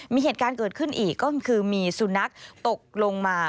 มีเหตุการณ์เกิดขึ้นอีกก็คือมีสุนัขตกลงมา